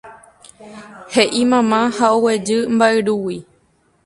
He'i mama ha oguejy mba'yrúgui.